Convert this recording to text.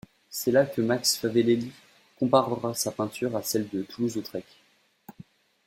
C’est là que Max Favalelli comparera sa peinture à celle de Toulouse-Lautrec.